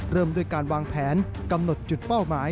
เริ่มด้วยการวางแผนกำหนดจุดเป้าหมาย